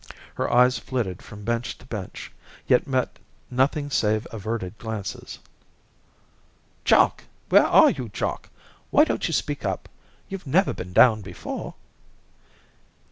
Her eyes flitted from bench to bench, yet met nothing save averted glances. "Jock! Where are you, Jock? Why don't you speak up? you've never been downed before."